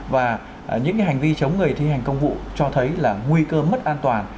và những hành vi chống người thi hành công vụ cho thấy là nguy cơ mất an toàn